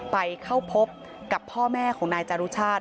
ไปเข้าพบกับพ่อแม่ของนายจารุชาติ